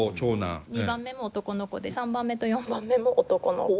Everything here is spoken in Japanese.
２番目も男の子で３番目と４番目も男の子。